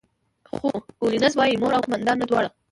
خو کولینز وايي، مور او قوماندانه دواړه.